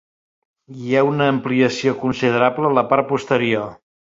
Hi ha una ampliació considerable a la part posterior.